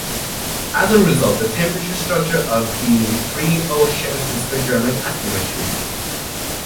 As a result, the temperature structure of the three oceans display dramatic asymmetries.